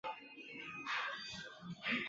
隐棘真缘吸虫为棘口科真缘属的动物。